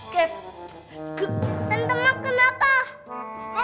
tentang emak kenapa